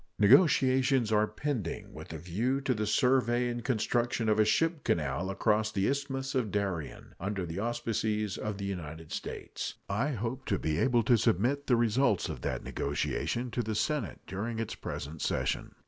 Negotiations are pending with a view to the survey and construction of a ship canal across the Isthmus of Darien, under the auspices of the United States. I hope to be able to submit the results of that negotiation to the Senate during its present session.